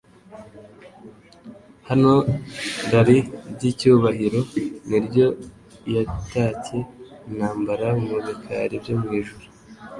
hano rari ry'icyubahiro ni ryo iyatcye intambara mu bikari byo mu ijuru ;